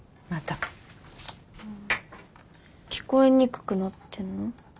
聞こえにくくなってんの？